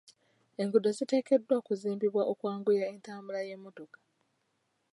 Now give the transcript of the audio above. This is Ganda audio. Enguudo ziteekeddwa okuzimbibwa okwanguya entambula y'emmotoka.